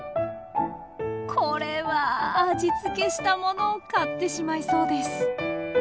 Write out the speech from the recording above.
これは味付けしたものを買ってしまいそうです。